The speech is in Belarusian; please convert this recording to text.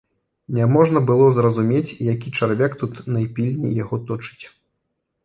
Няможна было зразумець, які чарвяк тут найпільней яго точыць.